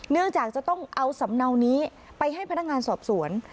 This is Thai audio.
จะต้องเอาสำเนานี้ไปให้พนักงานสอบสวน